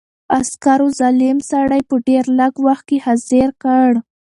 عسکرو ظالم سړی په ډېر لږ وخت کې حاضر کړ.